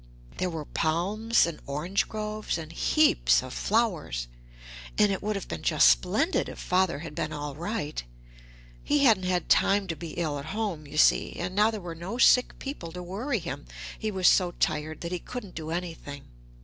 There were palms and orange groves and heaps of flowers, and it would have been just splendid if Father had been all right. He hadn't had time to be ill at home you see, and now there were no sick people to worry him, he was so tired that he couldn't do anything.